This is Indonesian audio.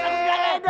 aku tidak dream